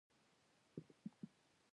غیرت نه جبر دی نه غچ